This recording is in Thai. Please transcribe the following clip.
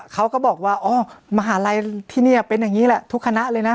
เขาก็บอกว่าอ๋อมหาลัยที่นี่เป็นอย่างนี้แหละทุกคณะเลยนะ